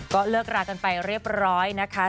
ก็เลิกรากันไปเรียบร้อยนะคะ